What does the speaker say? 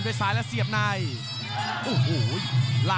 กรรมการเตือนทั้งคู่ครับ๖๖กิโลกรัม